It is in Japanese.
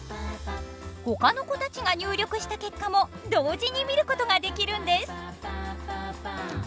ほかの子たちが入力した結果も同時に見ることができるんです。